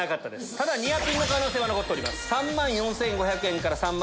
ただニアピンの可能性は残っております。